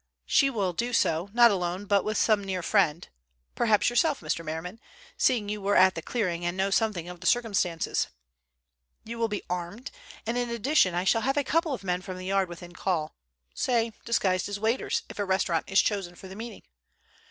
She will do so, not alone, but with some near friend, perhaps yourself, Mr. Merriman, seeing you were at the clearing and know something of the circumstances. You will be armed, and in addition I shall have a couple of men from the Yard within call—say, disguised as waiters, if a restaurant is chosen for the meeting.